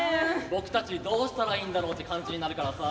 僕たちどうしたらいいんだろうって感じになるからさ。